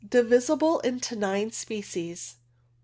Divisible into nine species.